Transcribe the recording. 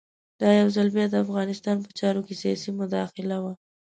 دا یو ځل بیا د افغانستان په چارو کې سیاسي مداخله وه.